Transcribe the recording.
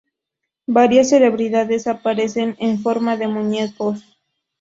Varias celebridades aparecen en forma de muñecos.